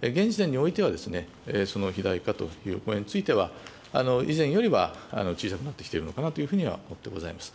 現時点においては、その肥大化というお声については、以前よりは小さくなってきているのかなというふうには思ってございます。